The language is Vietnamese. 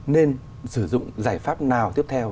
nên sử dụng giải pháp nào tiếp theo